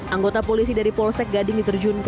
anggota polisi dari polsek gading diterjunkan